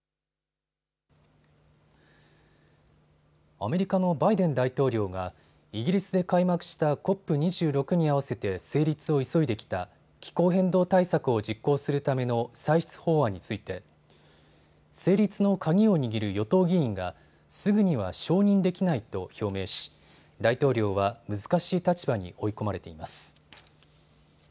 アメリカのバイデン大統領がイギリス開幕したＣＯＰ２６に合わせて成立を急いできた気候変動対策を実行するための歳出法案について成立の鍵を握る与党議員がすぐには承認できないと表明し大統領は難しい立場に追い込まれています。